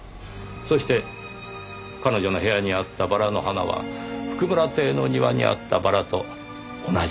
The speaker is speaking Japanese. そして彼女の部屋にあったバラの花は譜久村邸の庭にあったバラと同じものでした。